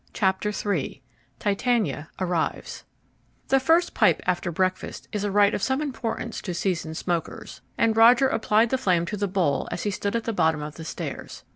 Chapter III Titania Arrives The first pipe after breakfast is a rite of some importance to seasoned smokers, and Roger applied the flame to the bowl as he stood at the bottom of the stairs.